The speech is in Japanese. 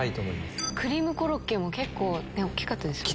クリームコロッケも結構大きかったですよね。